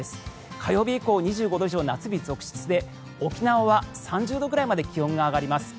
火曜日以降２５度以上、夏日続出で沖縄は３０度くらいまで気温が上がります。